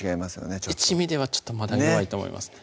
ちょっと一味ではちょっとまだ弱いと思います